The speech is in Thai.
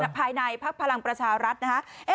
ภายในภักดิ์พลังประชารัฐนะครับ